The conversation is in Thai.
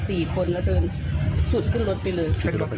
หลบพี่หญิงเดินลาเดินสุดขึ้นรถไปเลย